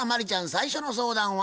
最初の相談は？